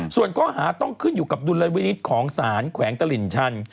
ส่วนข้อหาต้องขึ้นอยู่กับดุลวินิตของสารแขวงตลิ่งชัน